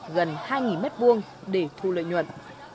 gần hai m hai để thu lợi nhuận